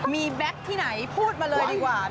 มีแบ็คที่ไหนพูดมาเลยดีกว่า